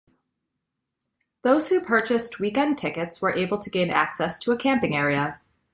Those who purchased weekend tickets were able to gain access to a camping area.